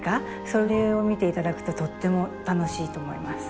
それを見て頂くととっても楽しいと思います。